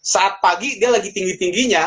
saat pagi dia lagi tinggi tingginya